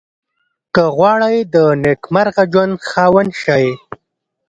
که غواړئ د نېکمرغه ژوند خاوند شئ.